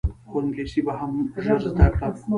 خو انګلیسي به هم ژر زده کړم.